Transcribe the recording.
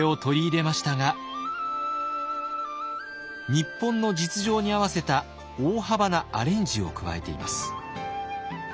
日本の実情に合わせた大幅なアレンジを加えています。